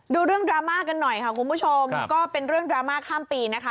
เรื่องดราม่ากันหน่อยค่ะคุณผู้ชมก็เป็นเรื่องดราม่าข้ามปีนะคะ